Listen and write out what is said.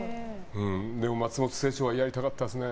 でも松本清張はやりたかったですね。